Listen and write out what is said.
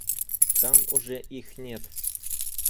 Там уже их нет.